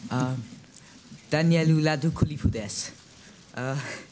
ダニエル・ラドクリフです。